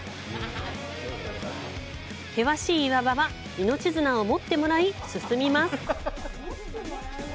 険しい岩場は命綱を持ってもらい、進みます。